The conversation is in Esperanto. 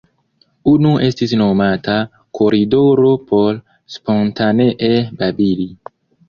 Unu estis nomata “Koridoro” por spontanee babili.